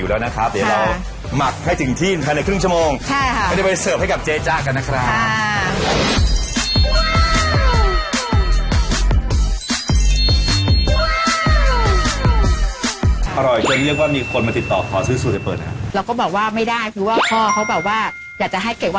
แล้วเดี๋ยวครึ่งชั่วโมงนี้เสร็จเรียบร้อยนะครับเราก็มาดูเสร็จเรียบร้อยแล้วค่ะ